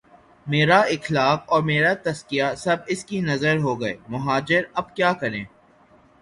میرا اخلاق اور میرا تزکیہ، سب اس کی نذر ہو گئے مہاجر اب کیا کریں؟